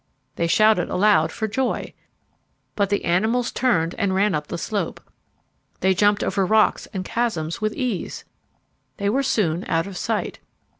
They shouted aloud for joy. But the animals turned and ran up the slope. They jumped over rocks and chasms with ease. They were soon out of sight.